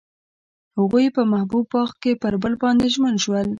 هغوی په محبوب باغ کې پر بل باندې ژمن شول.